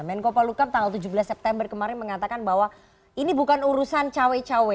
menko palukam tanggal tujuh belas september kemarin mengatakan bahwa ini bukan urusan cawe cawe